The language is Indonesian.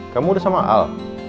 kamu udah sama al